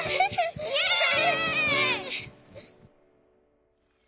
イエイ！